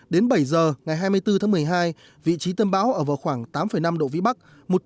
đến bảy giờ ngày hai mươi bốn tháng một mươi hai vị trí tâm bão ở vào khoảng tám năm độ vĩ bắc